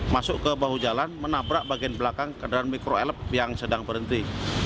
masuk ke bahu jalan menabrak bagian belakang kendaraan mikro elf yang sedang berhenti